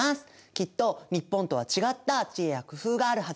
きっと日本とは違った知恵や工夫があるはず。